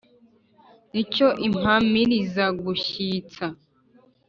Ni cyo Impamirizagushyitsa